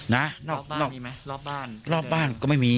รอบบ้านคือไม่มีรอบบ้านรอบบ้านก็ไม่มี